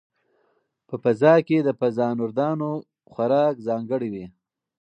په فضا کې د فضانوردانو خوراک ځانګړی وي.